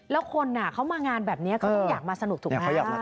แล้วคนเขามางานแบบนี้เขาต้องอยากมาสนุกถูกไหม